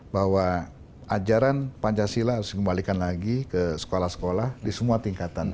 bahwa ajaran pancasila harus dikembalikan lagi ke sekolah sekolah di semua tingkatan